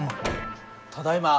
ただいま。